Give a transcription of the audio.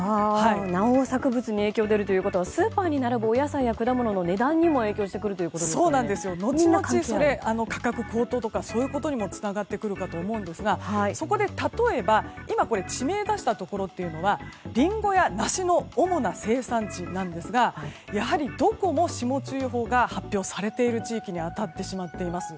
農作物に影響が出るということはスーパーに並ぶお野菜や果物の値段にも後々、価格高騰とかそういうことにもつながってくると思うんですが例えば、地名を出したところはリンゴや梨の主な生産地なんですがやはりどこも霜注意報が発表されている地域に当たってしまっています。